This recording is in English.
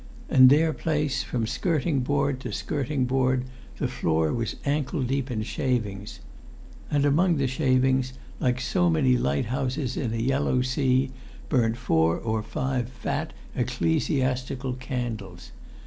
In their place, from skirting board to skirting board, the floor was ankle deep in shavings. And among the shavings, like so many lighthouses in a yellow sea, burnt four or five fat ecclesiastical candles.